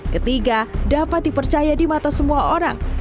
ketiga dapat dipercaya di mata semua orang